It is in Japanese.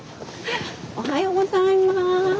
おはようございます。